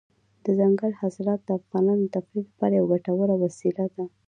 دځنګل حاصلات د افغانانو د تفریح لپاره یوه ګټوره وسیله ده.